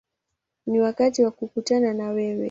Ni wakati wa kukutana na wewe”.